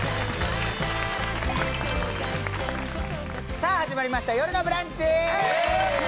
さあ始まりました「よるのブランチ」